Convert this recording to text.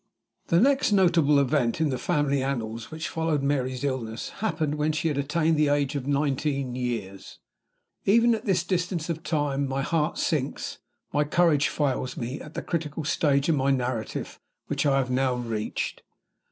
The next notable event in the family annals which followed Mary's illness happened when she had attained the age of nineteen years. Even at this distance of time my heart sinks, my courage fails me, at the critical stage in my narrative which I have now reached.